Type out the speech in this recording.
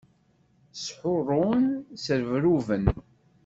Shurun, srebruben.